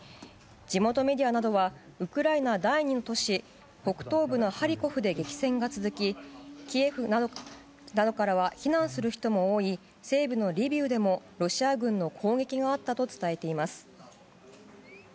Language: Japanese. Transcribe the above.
地元メディアなどはウクライナ第２の都市北東部のハリコフで激戦が続きキエフなどからは避難する人も多い西部のリビウでもロシア軍の攻撃があったと伝えています。